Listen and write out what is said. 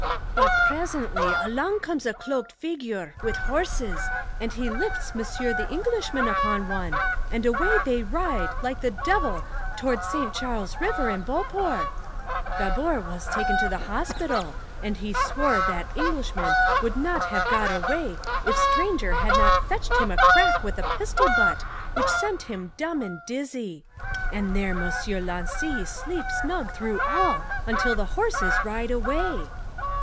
"But presently along comes a cloaked figure, with horses, and he lifts m'sieu' the Englishman upon one, and away they ride like the devil towards St. Charles River and Beauport. Gabord was taken to the hospital, and he swore that Englishman would not have got away if stranger had not fetched him a crack with a pistol butt which sent him dumb and dizzy. And there M'sieu' Lancy sleep snug through all until the horses ride away!"